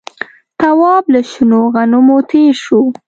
تواب له شنو غنمو تېر شو.